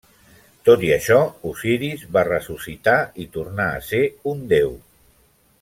Tot i això, Osiris va ressuscitar i tornà a ser un déu.